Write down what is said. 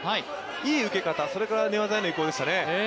いい受け方、それから寝技への移行でしたね。